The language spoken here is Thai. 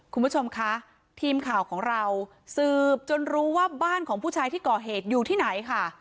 คุณผู้ชมคะทีมข่าวของเราสืบจนรู้ว่าบ้านของผู้ชายที่ก่อเหตุอยู่ที่ไหนค่ะ